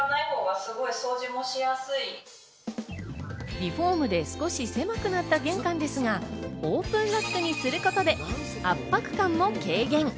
リフォームで少し狭くなった玄関ですが、オープンラックにすることで圧迫感も軽減。